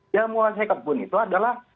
yang menguasai kebun itu adalah